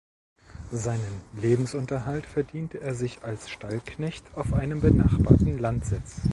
Seinen Lebensunterhalt verdiente er sich als Stallknecht auf einem benachbarten Landsitz.